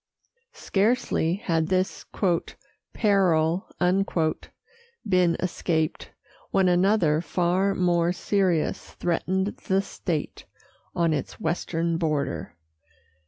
Scarcely had this "peril" been escaped, when another far more serious threatened the state on its western border.